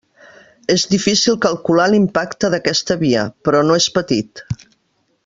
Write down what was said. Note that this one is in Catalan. És difícil calcular l'impacte d'aquesta via, però no és petit.